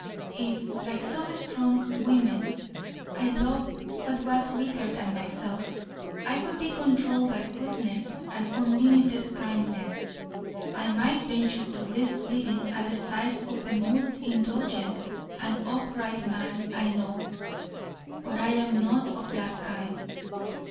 If, like some strong women, I loved what was weaker than myself, and could be controlled by goodness and unlimited kindness, I might venture to risk living at the side of the most indulgent and upright man I know. But I am not of that kind.